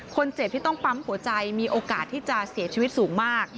คนเจ็บที่ต้องปั๊มหัวใจมีโอกาสที่จะเสียชีวิตสูงมาก